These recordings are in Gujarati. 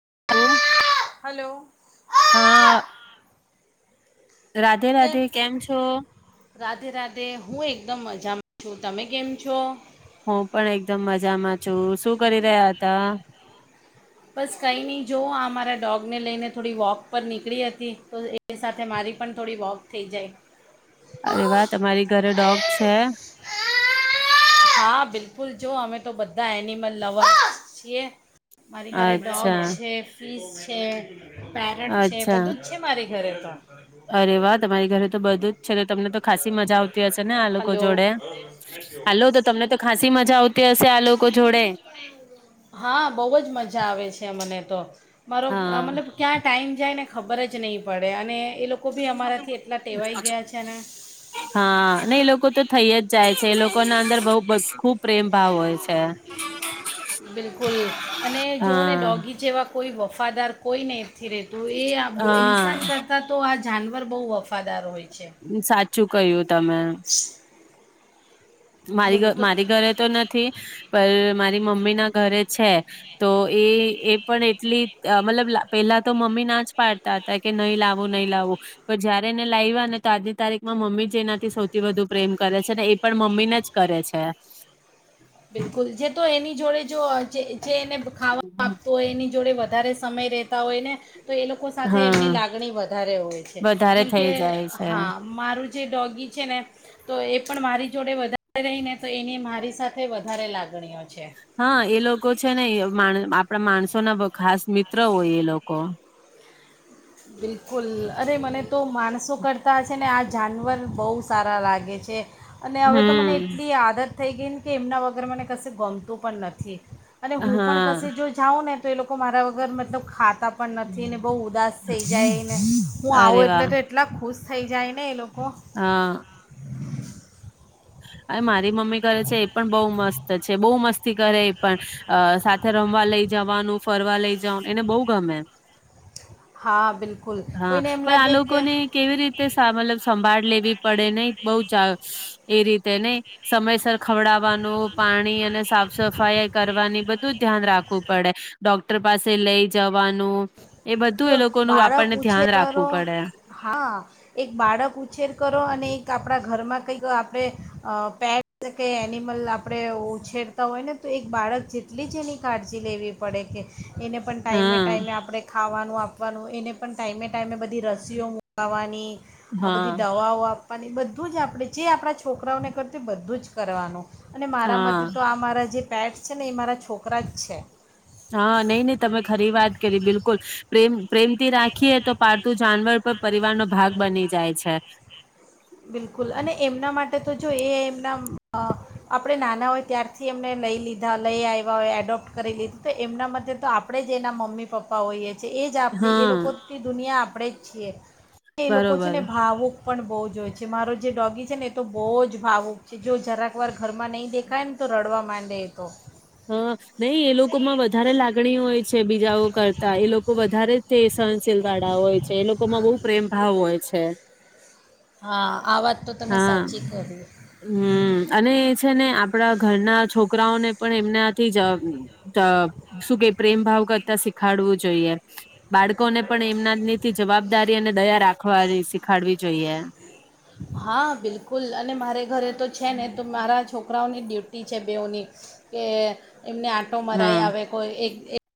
[inaudible] હલો. હા રાધે કેમ, રાધે છો? રાધે રાધે હું એકદમ મજામાં. શું તમે કેમ છો? હું પણ એકદમ મજામાં છું, શું કરી રહ્યા હતા? બસ કંઈ નહી જો આ મારા ડોગને લઈને થોડી વોક પર નીકળી હતી, તો એ સાથે મારી પણ થોડી વોક થઈ જાય. અરે વાહ, તમારી ઘરે ડોગ છે? હા, બિલકુલ જો અમે તો બધા એનિમલ લવર્સ છીએ. મારી ઘરે ડોગ અચ્છા છે, ફીશ છે. પેરેટ છે, અચ્છા બધુંજ છે મારી ઘરે [inaudible] અરે વાહ તમારી ઘરે તો બધુંજ છે ને તમને તો ખાસી મજા આવતી હશે ને આલોકો હલો જોડે આ લો તમને તો ખાસી મજા આવતી હશે આ લોકો જોડે. હા બહુ જ મજા આવે છે મને તો. મારો અ હા મતલબ ક્યાં ટાઈમ જાય ને ખબર જ નહીં પડે અને. એ લોકો બી અમારાથી એટલા ટેવાઈ ગયા છે ને હા નય એ લોકો તો થઈ જ જાય છે એ લોકો ના અંદર બઉ બસ ખુબ પ્રેમ ભાવ હોય છે. બિલકુલ અને જોઓ ને હા ડોગી જેવા કોઈ વફાદાર કોઈનેહી. થી રેતુ એ આપ બો હા ઇન્સાન કરતા તો આજ જાનવર બહુ વફાદાર હોય. છે સાચું કહ્યું તમે. બોલો મારી તો મારી ઘરે તો નથી પર મારી મમ્મી ના ઘરે છે તો એ એ પણ એટલી મતલબ પેલા તો મમ્મી ના જ પાડતા હતા કે નહી લાવું નહી લાવું પર જયારે એને લાયવા ને તો આજની તારીખમાં મમ્મી જેનાથી સૌથી વધુ પ્રેમ કરે છે. ને એ પણ મમ્મીને જ કરે છે. બિલકુલ જે તો એની જોડે જો જે જે એને ખાવા આપતો હોય એની જોડે વ ધારે સમય રહેતા હોય ને તો એ લોકો સાથે એમની હા લાગણી વધારે હોય છે, વધારે જેમ કે થઈ જાય છે હા મારું ડોગી છે ને તો એ પણ મારી જોડે વધારે રહીને તો એની મારી સાથ થે વધારે લાગણી હોય. હા, એ લોક કો છે ને એ આપણા માણસો ના ખાસ મિત્ર હોય એ લોકો. બિલકુલ, અરે મને તો માણસો કરતા આ છે ને આ જાનવર બહુ સારા લાગે છે. અને હવે તો મને હમ એટલી આદત થઈ ગઈ ને કે એમના વગર મને કસે ગમતું પણ નથી. અને હું પણ કસે હા જો જાઉં ને તો એ લોકો મારા વગર મતલબ ખાત તા પણ નથી ને બહુ ઉદાસ સ થઈ જાયને, હું અરે આવું એટલે વાહ તો એટલા ખુશ થઈ જાય ને એ લોકો. હા. [unintelligible] મારી મમ્મી કરે છે એ પણ બઉુ મસ્ત છે, બહુ મસ્ત. કરે પણ ઈ પણ, સાથે રમવા લઈ જવાનું, ફરવા લઈ જવાનું, એને બોવ ગમે. હા બિલકુલ હા કોઈને એમ પણ આ લાગે કે લોકોને કેવી રીતે સા મતલબ સંભાળ લેવી પડે ને બહું ચા એ રીતે ને સમયસર. ખવડાવવાનું પાણી અને સાફ સફાઈ કરવાની બધું જ ધ્યાન રાખું. પડે ડોક્ટર પાસે લઈ જવાનું. એ બધું એ એક લોકોનું બાળક આપણને ધ્યાન ઉછેર કરો રાખવું પડે હા એક બાળક ઉછેર કરો અને એક આપણા. ઘરમાં કંઈક આપણે પેટ્સ કે એનિમલ આપણે ઉછેરતા હોય ને તો એક બાળક જેટલી જ એની કાળજી લેવી પડે કે એને પણ ટાઈમે હા ટાઈમે આપણે. ખાવાનું આપવાનું એને પણ ટાઈમે ટાઈમે બધી રસીઓ મુકાવવાની. આ બધી હા દવાઓ. બધું જ આપણે જે આપણા છોકરાઓને કરતું બધું જ કરવાનું. અને મારા હા માટે તો આ મારા જે. પેટ્સ છે ને એ મારા છોકરા જ છે. હા નઈ નહી તમે ખરી વાત. કરી બિલકુલ પ્રેમ. પ્રેમથી રાખીએ તો પાળતું જાનવર પર પરિવારનો ભાગ બની જાય છે. બિલકુલ અને એમના માટે તો જો એ એમના આપણે નાના હોય ત્યારથી એમને લઈ લીધા લઈ આવ્યા હોય એડોપ્ટ કરી લીધી તો એમના માટે તો આપણે જ એના મમ્મી પપ્પા હોઈએ. એ જ આપણી એ હા લોકોથી દુનિયા આપ. પડૈ છીએ. એ લોકો છે બરોબર ને ભાવુક પણ બહુ જો હોઈ. છે મારો જે ડોગી છે ને એ તો બહુ જ ભાવુક છે જો જરાક વાર ઘરમાં નહીં દેખાય ને તો રડવા માંડે એ તો. હમ્મ નહી એ લોકો માં વધારે લાગણી હોય છે. બીજાઓ કરતા એ લોકો વધારે. તેસ. સહનસિલવાડા હોય છે એ લોકોમાં બહુ પ્રેમ ભાવ હોય છે. હા આ વાત તો તમે સાચી કરી. હમ્મ અને. છે ને આપણા ઘરના છોકરાઓને પણ એમનાથી જ અ ત શું કે પ્રેમ ભાવ કરતા શીખાડવું જોઈએ. બાળકોને પણ એમના નીથી જવાબદારી અને દયા રાખવાની શીખાડવી જોઈએ. હા બિલકુલ, અને મારે ઘરે તો છે ને તો મારા છોકરાઓની ડ્યુટી છે બેઓની કે એમને આટો હા મરાઈ આવે કોઈ એક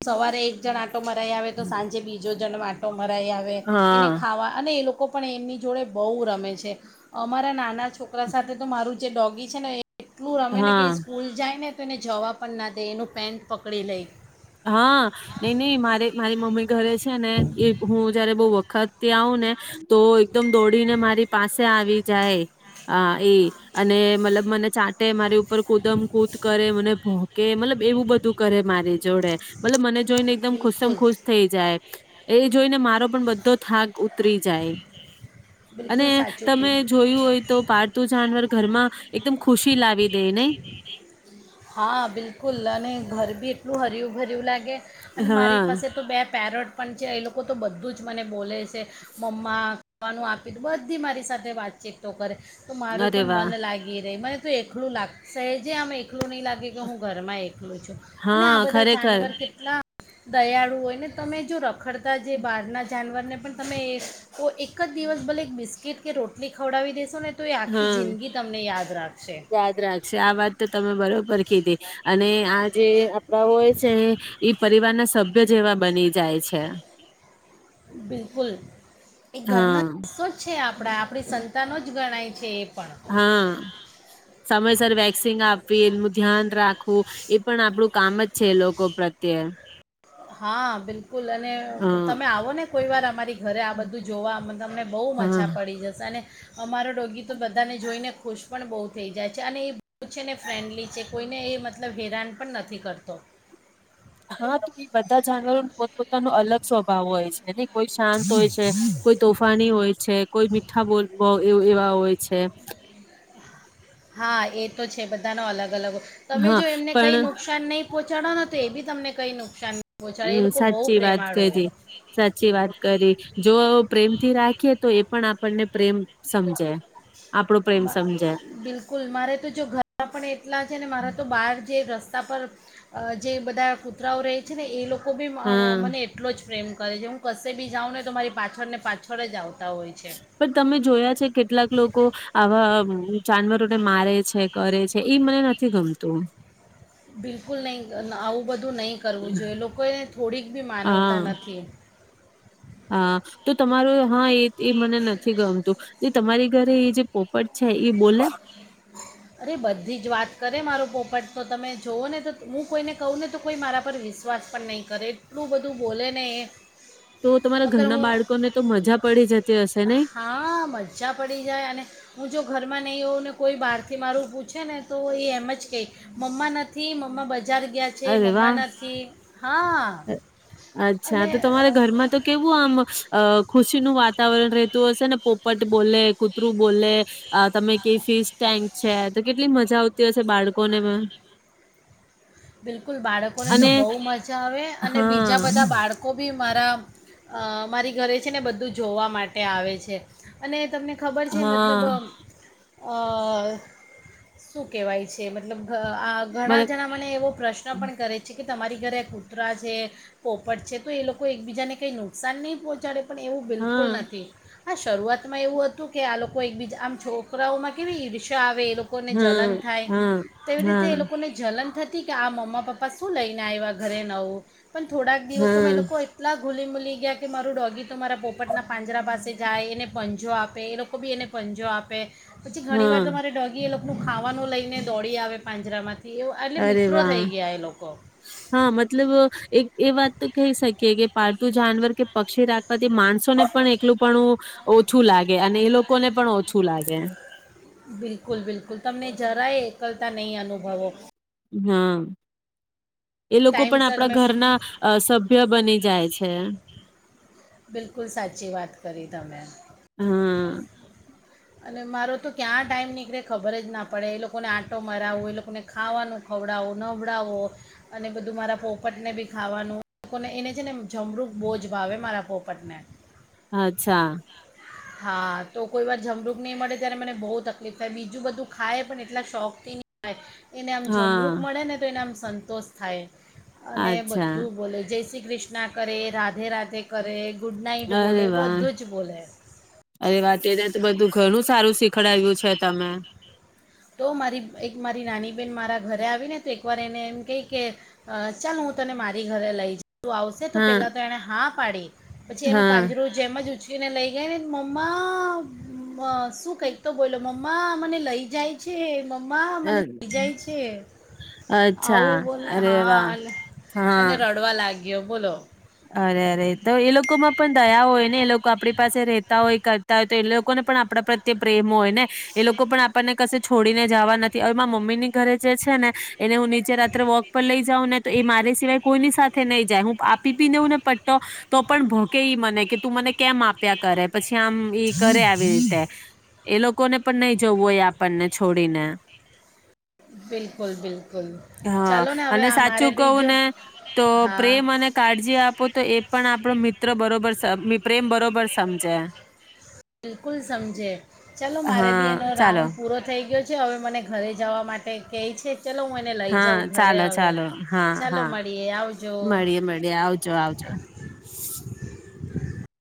સવારે એક જણ આંટો મરાઈ આવે તો સાંજે બીજો જણ આટ મરાઈ આવે એને હા ખાવા અને એ લોકો કો પણ એમની જોડે બહુ રમે છે. અમારા નાના છોકરા સાથે તો મારું જે ડોગી છે ને એ એટલું રમે ને કે હા સ્કૂલ જાય ને તો એને જવા પણ ના દે એનું પેન્ટ પકડી લઈ. હા નહી નહી મારે મારી મમ્મી. ઘરે છે ને એ હું જયારે બ. ખ ત્યા આવું ને તો એકદમ દોડીને મારી પાસે આવી જાય આ એ અને મતલબ મને ચાટે મારી ઉ ઉપર કુદમ કુદ કરે મને ભ કે મતલબ એવું બધું કરે મારી. જોડે મતલબ મને. જોઈ ને એકદમ ખુશમ બિલકુલ ખુશ થઈ જાય. એ જોઈને મારો પણ બધો થાક ઉતરી જાય. અને બિલકુલ સાચું તમે કહ્યું જોયું હોય તો પાળતું જાનવર. ઘરમાં એકદમ ખુશી લાવી દે ને. હા બિલકુલ અને ઘર બી એટલું હરયું ભર્યું લાગે. અને મારી હા પાસે તો બે પેરોટ પણ છે એ લોકો. એ લોકો તો બધું જ મને બોલે. છે મમા વાનું આપી બધી મારી સાથે વાતચીત તો કરે. તો મારું અરે પણ વાહ મન લાગી રહી મને. એકલું લાગ સેજે આમ એકલું નહીં લાગે કે હું ઘરમાં એકલું છું અને આ હા બધા જાનવર ખરેખર કેટલા દયાળુ હોય ને તમે જો રખડતા જે બહાર ના જાનવર ને પણ તમે એક એક જ દિવસ ભલે એક બિસ્કીિટ કે રોટલી ખવડાવી દેેશો ને તો એ આખી હા જિંદગી તમને યાદ રાખશે યાદ રાખશે. આ વાત તો તમે બ બરોબર કીધી અને આ જે હોય છે, ઈ પરિવારના સભ જેવા બની જાય છે. બિલકુલ. એ ઘરનો હા કિસ્સો જ છે આપ આપણા આપણી સંતાનો જ ગણાય છે. પણ હા, સમયસર વેક્સિન આપવી, એનું ધ્યાન રાખવું એ પણ આપણું કામ જ છે લોકો પ્રત્યે. હા બિલકુલ અને હ તમે આવો ને કોઈવાર અમારી ઘરે આ બધું જોવા તમને બહુ હા મજા પડી જશે અને અમારો ડોગી તો બધાને જોઈને ખુશ પણ બહુ થઈ જાય છે અને એ બહુ છે ને ફ્રેન્ડલી છે, કોઈને એ મતલબ હેરાન પણ નથી કરતો. હા. ઈ બધા જાનવરો પોત પોતાનું અલગ સ્વભાવ હોય છે. કોઈ શાંત હોય છે, કોઈ તોફાની હોય છે, કોઈ મીઠા બોલ બો એવા હોય છે. હા એ તો છે બધાનો અલગ અલગ તમે હા જો એમને પણ કઈ નુકસાન નહીં પહોંચાડો. તો એ બી તમને કઈ નુકસાન નહીં પહોંચાડે એ હમ લોકો બહુ સાચી વાત પ્રેમાળો હોય કરી, સાચી વાત કરી, જો પ્રેમથી રાખીએ તો એ પણ આપણને પ્રેમ સમજે. આપણો પ્રેમ સમજે બિલકુલ મારે તો જો ઘર પણ એટલા છે ને મારા તો બહાર જે રસ્ તા પર અ જે બધા કૂતરાઓ રહે છે ને એ લોકો કો બી હા મને એટલો જ પ્રેમ કરે છે હું કશે બી જાઉં ને તો મારી પાછળને પાછળ જ જાઉં. પણ તમે જોયા છે કેટલાક લોકો આવા જાનવરોને મારે છે કરે છે એ મને નથ નથી ગમતું. બિલકુલ નહીં અ આવું બધું નહીં કરવું જોઈએ. લોકોને થોડીક બી માનવતા હા નથી. હા તો તમારો હા એ એ મને નથી ગમતું તમારી ઘરે એ જે પોપટ છે એ બોલે? અરે બધી જ વાત કરે મારો પોપટ તો. તમે જોવ ને તો હું કોઈને કહું ને તો કોઈ મારા પર વિશ્વાસ પણ નહીં કરે એટલું બધું બોલે ને એ. તો તમારા અગર હુ, ઘરના બાળકોને તો મજા પડી જતી હશે નઈ હા મજા પડી જાય અને હું જો ઘર મને એવુ ન કોઈ બાર થી મારું પૂછે ને તો એ એમ જ કેય મમ્મા નથી મમ્મા બ જાર ગ્યા છે મમ્મા નથી. હા અ અચ્છા અને તો તમારે અ, ઘરમાં તો કેવું આમ અ ખુશ પછી નું વાતાવરણ રહેતું હશે ને. પોપટ બોલે, કૂતરું બોલે, અ તમે કેય ફિશ ટેન્ક છે તો કેટલી મજા આવતી હશે બાળકો ને મે બિલકુલ બાળકો ને તો બહુ મજા આવે અને બીજા હા બધા બાળકો બી મારા અ મારી ઘરે છે ને બધું જોવા માટે આવે છે. અને તમને ખબર છે મતલબ અ હા અ શું કહેવાય છે મતલબ આ ઘણા બરા જણા મને એવો પ્રશ્ન પણ કરે છે કે તમારી ઘરે કૂતરા છે, પોપટ છે, તો એ લોકો એકબીજાને કંઈ નુકસાન નહીં પહોંચાડે. પણ એવું બિલકુલ હા નથી. હા શરૂઆતમાં એવું હતું કે આ લોકો એકબીજા આમ છોકરાઓમાં કેવી ઈર્ષા આવે. લોકોને હા જલન થાય હા તેવી રીતે એ હા લોકોને જલન થી કા આ મમ્મા પપ્પા શું લઈને આવ્યા ઘરે નવું. પણ થોડાક દિવસમાં હા એ લોકો એટલા ખૂલી મૂલી ગયા કે મારું ડોગી તો મારા પોપટના પાંજરા પાસે જાય એને પંજો આપે એ લોકો બી એને પંજો આપે. પછી ઘણી વાર હા તમારે ડોગી એ લોક નું ખાવાનું લઈ ને દોડી આવે પાંજરામાંથી એવું આટલે એવા હા મતલબ એક એ વાત તો કહી શકીએ કે પા પાલતું જાનવર કે પક્ષી રાખવાથી માણસોને પણ એકલું પડું ઓછું લાગે, અને એ લોકોને પણ ઓછું લાગે. બિલકુલ બિલકુલ તમને જરાય એકલતા નહી અનુભવો. હા. એ લોકો પણ ટાઈમસર આપણા તમે ઘરના અ સભ્ય બની જાય છે. બિલકુલ સાચી વાત કરી તમે. હા. અને મારો તો ક્યાં ટાઈમ નીકળે ખબર જ ના પડે એ લોકોને આંટો મરાવો, એ લોકોને ખાવાનું ખવડાવું, નવડાવો અને બધું મારા પોપટને બી ખાવાનું એ લોકોને એને છે ને જમરૂખ બોજ ભાવે મારા પોપટને. અચ્છા. હા તો કોઈ વાર જમરૂ ની મળે ત્યારે મને બો તકલીફ થાય બીજું બધું ખાય પણ એટલા શોખથી ની ખાય. એને આમ જમરૂખ હા મળે ને તો એના સ સંતોષ થાય. અને અચ્છા બધું બોલે જયસિ કૃષ્ણા કરે રાધે રાધે તે કરે ગુડ નાઈટ અરે બોલે વાહ બધું જ બોલે. અરે વાહ તેને બધું ઘણું સારું શીખડાયું છે તમે. તો મારી એક મારી નાની બેહેન મારા ઘરે આવીને તો એક વાર એને એમ કહી કે ચાલ હું તને મારી ઘરે લઈ જા. તું આવશે તો હા પેલા તો એને હા પાડી. પછી એનું હા પાંજરું જેમ જ ઉચ કીને લઈ ગઈ ને મમ્મા મ શું કંઈક તો બોલો મમ્મા મને લઈ જાય. છે. મ મા અ મને [inaudible] જાય છે. અચ્છા આવું બોલે અરે હા વાહ અન હા અને રડવા લાગ. લેયો બોલો. અરે અરે તો એ લોકોમાં પણ દયા હોય ને એ લોકો આપણી પાસે રેતા હોય કરતા હોય તો એ લોકોને પણ આપણા પ્રત્યે પ્રેમ હોય ને એ લોકો પણ આપણને કસે છોડીને જવા નથી હવે મમ્મી ની ઘરે જે છે ને એને હું નીચે રાત્રે વોક પર લઈ જાઉં ને તો એ મારે સિવાય કોઈની સાથે નહી જાય હું આપ પી પી દેવુંને પટ્ટો તો પણ ભોકે ઈ મને કે તું મને કેમ આપ્યા કરે પછી [unintelligible] ઈ કરે આવી રીતે. એ લોકોને પણ નહી જવું હોય આપણને છોડીને. બિલકુલ બિલકુલ હા ચાલો ને હવે અને અમારે સાચું કહું બીજો હા. જે આપો તો એ પણ આપણો મિત્ર બરોબર. સ [unintelligible] બિલકુલ સમજે ચાલો મારે બી હા એનો ચાલો રાઉન્ડ પૂરો થઈ ગયો. જે હવે મને ઘરે જવા માટે કહે છે. ચલો હું એને લઈ હા જાઉં ઘરે હવે ચાલો-ચાલો, ચાલો હા-હા, મળીએ આવજો મળીએ-મળીએ, આવજો- આવજો. હ